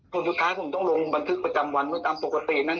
สุดท้ายผมต้องลงบันทึกประจำวันไว้ตามปกตินะ